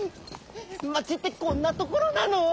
町ってこんなところなの？